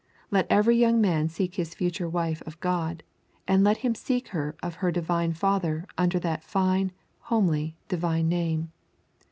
Let every young man seek his future wife of God, and let him seek her of her Divine Father under that fine, homely, divine name.